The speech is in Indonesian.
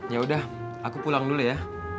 ya udah aku pulang dulu ya